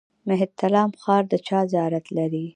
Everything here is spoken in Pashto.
مهترلام ښار د چا زیارت لري؟